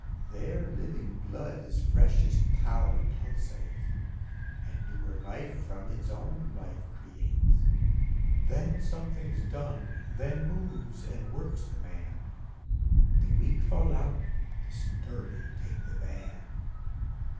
There living blood in freshest power pulsates. And newer life from its own life creates. Then something's done, then moves and works the man ; The weak fall out, the sturdy take the van.